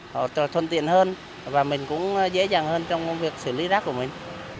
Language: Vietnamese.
họ thuần tiện hơn và mình cũng dễ dàng hơn trong công việc xử lý giác của mình